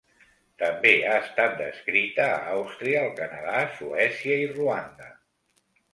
També ha estat descrita a Àustria, el Canadà, Suècia i Ruanda.